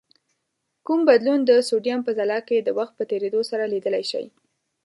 کوم بدلون د سودیم په ځلا کې د وخت په تیرېدو سره لیدلای شئ؟